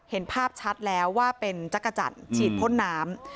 เห็นภาพชัดแล้วว่าเป็นจักรจันทร์ฉีดพ่นน้ำ